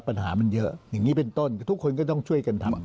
ปัญหามันเยอะอย่างนี้เป็นต้นทุกคนก็ต้องช่วยกันทำ